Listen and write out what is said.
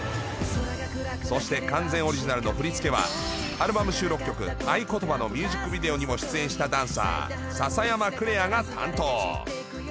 そして完全オリジナルの振り付けはアルバム収録曲、愛言葉のミュージックビデオにも出演したダンサー笹山紅杏が担当。